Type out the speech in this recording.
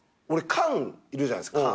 菅いるじゃないですか。